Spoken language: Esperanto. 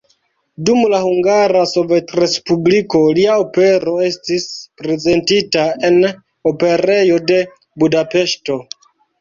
Dum la Hungara Sovetrespubliko lia opero estis prezentita en Operejo de Budapeŝto.